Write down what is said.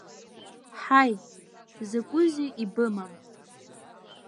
Ҳаи, закәызеи ибымам?